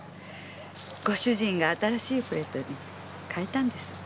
ご主人が新しいプレートに替えたんです。